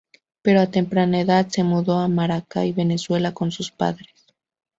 Pero a temprana edad, se mudó a Maracay, Venezuela con sus padres.